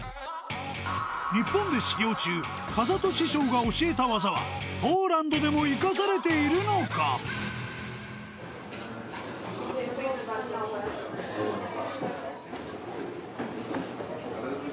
日本で修業中風戸師匠が教えた技はポーランドでもいかされているのかがしますね